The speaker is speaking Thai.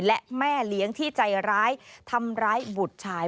และแม่เลี้ยงที่ใจร้ายทำร้ายบุตรชาย